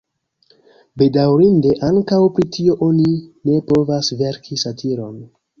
Bedaŭrinde ankaŭ pri tio oni ne povas verki satiron.